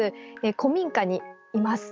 古民家にいます。